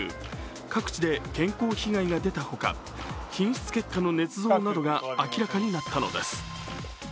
各地で健康被害が出たほか品質結果のねつ造などが明らかになったのです。